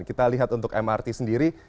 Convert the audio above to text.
kita lihat untuk mrt sendiri